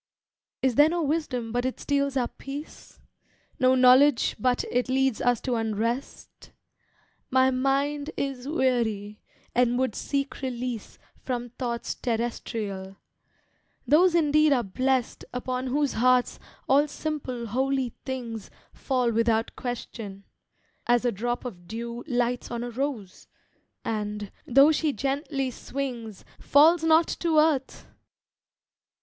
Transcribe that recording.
Is there no wisdom but it steals our peace? No knowledge but it leads us to unrest? My mind is weary, and would seek release From thoughts terrestrial; those indeed are blessed Upon whose hearts all simple holy things Fall without question, as a drop of dew Lights on a rose, and, though she gently swings, Falls not to earth!